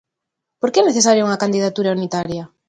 Por que é necesaria unha candidatura unitaria?